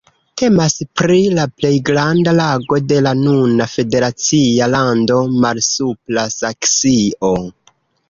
Temas pri la plej granda lago de la nuna federacia lando Malsupra Saksio.